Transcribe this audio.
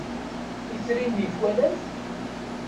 Itri-nni twalam-t?